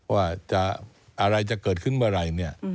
ว่าอะไรจะเกิดขึ้นเมื่อไหร่เนี่ย